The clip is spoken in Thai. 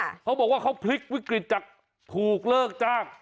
เขาบอกว่าเขาพลิกวิกฤตจากถูกเลิกจ้าง